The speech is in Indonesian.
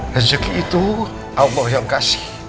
rezeki itu allah yang kasih